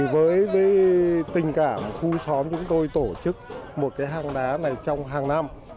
với tình cảm khu xóm chúng tôi tổ chức một cái hàng đá này trong hàng năm